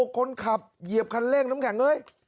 คนขับเหยียบคันเร่งน้ำแข็งเอ้ย